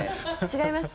違います。